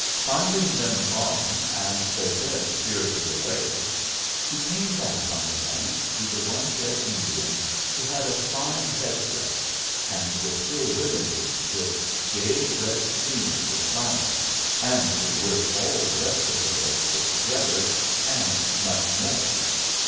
Finding them gone, and their dead spirited away, he came back on the bank to the one dead Indian, who had a fine head dress, and was still ribanded with gay red streamers of flannel, and was worth all the rest of the dead put together, and much more.